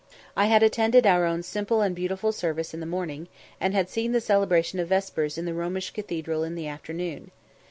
I had attended our own simple and beautiful service in the morning, and had seen the celebration of vespers in the Romish cathedral in the afternoon.